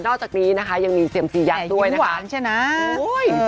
นอกจากนี้นะคะยังมีเสี่ยงสียัดด้วยนะคะอยู่หวานใช่น่ะโอ้ย